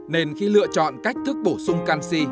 nên khi lựa chọn cách thức bổ sung canxi